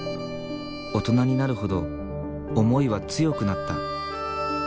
大人になるほど思いは強くなった。